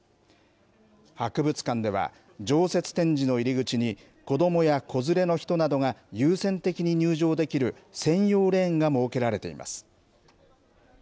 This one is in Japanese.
博物館では、常設展示の入り口に子どもや子連れの人などが優先的に入場できる専用レーンが設けられています。